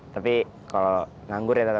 tapi kalau nganggur ya tetap